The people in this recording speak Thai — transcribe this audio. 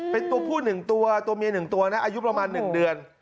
เป็นตัวผู้๑ตัวตัวเมีย๑ตัวนะอายุประมาณ๑เดือน